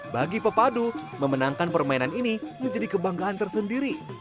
bagi pepadu memenangkan permainan ini menjadi kebanggaan tersendiri